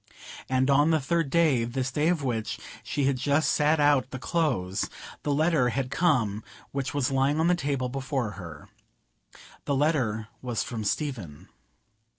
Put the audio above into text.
And on the third day—this day of which she had just sat out the close—the letter had come which was lying on the table before her. The letter was from Stephen.